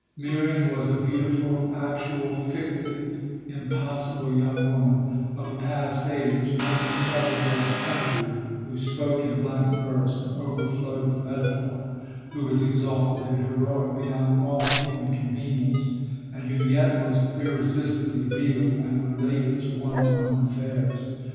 Miriam was a beautiful, actual, fictive, impossible young woman of a past age, an undiscoverable country, who spoke in blank verse and overflowed with metaphor, who was exalted and heroic beyond all human convenience and who yet was irresistibly real and related to one's own affairs.